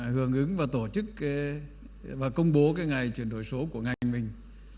hưởng ứng và tổ chức và công bố cái ngày chuyển đổi số của ngành mình